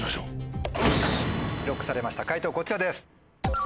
ＬＯＣＫされました解答こちらです。